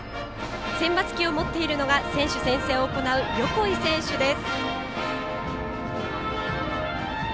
選抜旗を持っているのが選手宣誓を行う横井選手です。